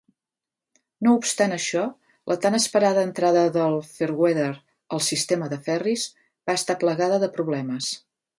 No obstant això, la tant esperada entrada del "Fairweather" al sistema de ferris va estar plagada de problemes.